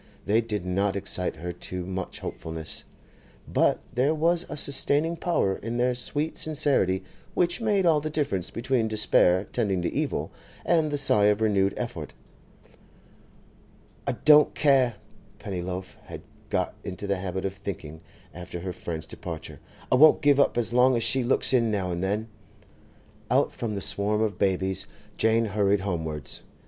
They did not excite her to much hopefulness, but there was a sustaining power in their sweet sincerity which made all the difference between despair tending to evil and the sigh of renewed effort. 'I don't care,' Pennyloaf had got into the habit of thinking, after her friend's departure, 'I won't give up as long as she looks in now and then.' Out from the swarm of babies Jane hurried homewards.